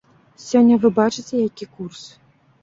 Сёння, вы бачыце, які курс.